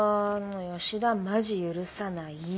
吉田マジ許さない。